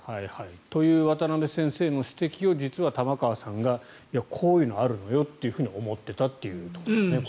という渡邊先生の指摘を実は玉川さんがこういうのがあるんだよと思っていたということですね。